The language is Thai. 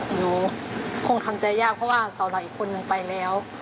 หนูคงทำใจยากเพราะว่าสาวหลักอีกคนนึงไปแล้ว